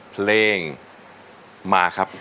เพลงมาครับ